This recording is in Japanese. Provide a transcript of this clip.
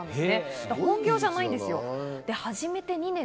だから本業じゃないんですよ。